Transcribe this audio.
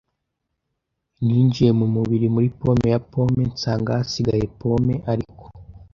Ninjiye mu mubiri muri pome ya pome, nsanga hasigaye pome; ariko